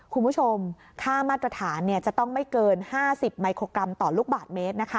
คุณผู้ชมค่ามาตรฐานจะต้องไม่เกิน๕๐มิโครกรัมต่อลูกบาทเมตรนะคะ